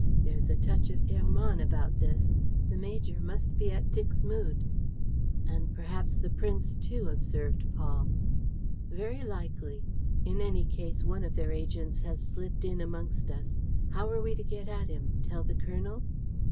There's a touch of Hermann about this. The major must be at Dixmude." "And perhaps the prince, too," observed Paul. "Very likely. In any case, one of their agents has slipped in amongst us. How are we to get at him? Tell the colonel?"